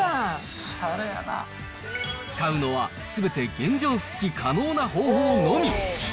使うのは、すべて原状復帰可能な方法のみ。